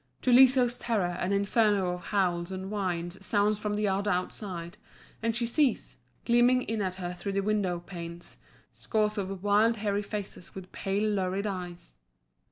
To Liso's terror an inferno of howls and whines sounds from the yard outside, and she sees, gleaming in at her through the window panes, scores of wild, hairy faces with pale, lurid eyes.